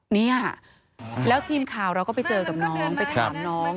เนี่ยแล้วทีมข่าวเราก็ไปเจอกับน้องไปถามน้อง